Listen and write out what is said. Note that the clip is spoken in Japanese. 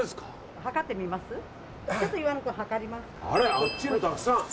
あっちにもたくさん。